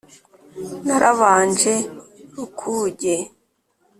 narabanje rukuge,